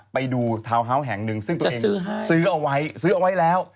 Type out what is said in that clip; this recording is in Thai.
ไปดูทาวน์ฮาวส์แห่งหนึ่งซึ่งตัวเองซื้อเอาไว้ซื้อเอาไว้แล้ว